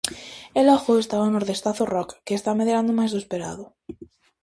E logo está o Nordestazo rock, que está medrando máis do esperado.